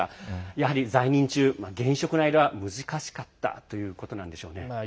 やはり在任中、現職の間は難しかったということなんでしょうね。